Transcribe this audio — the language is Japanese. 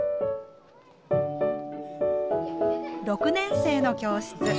６年生の教室。